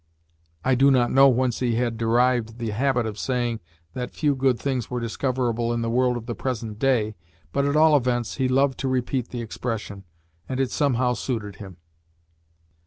(I do not know whence he had derived the habit of saying that few good things were discoverable in the world of the present day, but at all events he loved to repeat the expression, and it somehow suited him.)